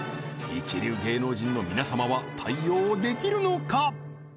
一流芸能人の皆様は対応できるのか？